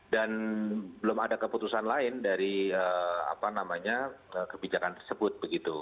dan belum ada keputusan lain dari kebijakan tersebut